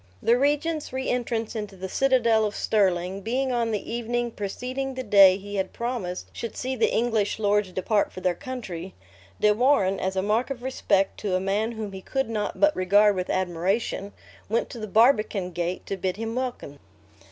The regent's re entrance into the citadel of Stirling, being on the evening preceding the day he had promised should see the English lords depart for their country, De Warenne, as a mark of respect to a man whom he could not but regard with admiration, went to the barbican gate to bid him welcome.